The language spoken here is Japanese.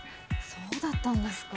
そうだったんですか。